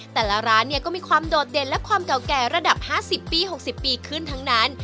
แต่ละร้านเนี่ยก็มีความโดดเด่นและความเก่าแก่ระดับ๕๐ปี๖๐ปีขึ้นทั้งนั้น